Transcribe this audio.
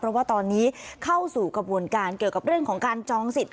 เพราะว่าตอนนี้เข้าสู่กระบวนการเกี่ยวกับเรื่องของการจองสิทธ